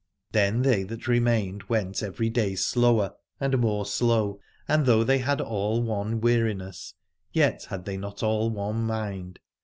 Then 151 Alad ore they that remained went every day slower and more slow, and though they had all one weariness yet had they not all one mind.